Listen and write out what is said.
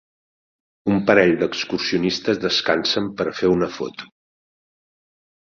Un parell d'excursionistes descansen per a fer una foto.